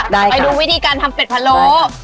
ได้ค่ะไปดูวิธีการทำเป็ดพะโลก